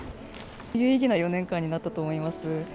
有意義な４年間になったと思います。